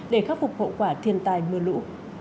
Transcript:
để khắc phục hậu quả thiền tài mưa lũ